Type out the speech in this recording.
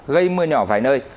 gây mưa nhỏ vài nơi